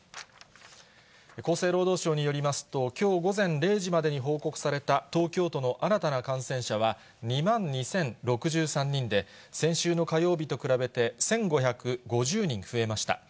厚生労働省によりますと、きょう午前０時までに報告された東京都の新たな感染者は２万２０６３人で、先週の火曜日と比べて１５５０人増えました。